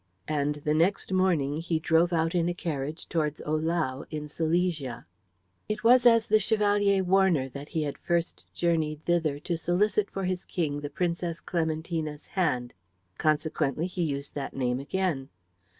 And the next morning he drove out in a carriage towards Ohlau in Silesia. It was as the Chevalier Warner that he had first journeyed thither to solicit for his King the Princess Clementina's hand. Consequently he used the name again.